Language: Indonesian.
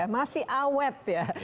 masih awet ya